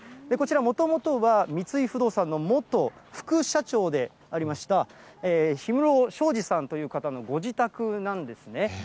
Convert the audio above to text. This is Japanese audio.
こちら、もともとは、三井不動産の元副社長でありました氷室捷爾さんという方のご自宅なんですね。